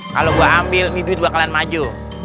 kalau gua ambil ini duit gua akan maju